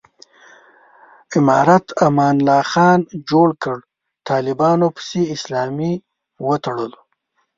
امارت امان الله خان جوړ کړ، طالبانو پسې اسلامي وتړلو.